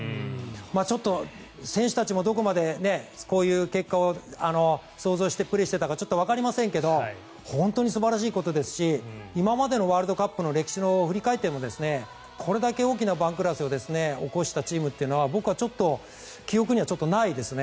ちょっと選手たちもどこまでこういう結果を想像してプレーしていたかわかりませんが本当に素晴らしいことですし今までのワールドカップの歴史を振り返ってもこれだけ大きな番狂わせを起こしたチームは僕はちょっと記憶にはないですね。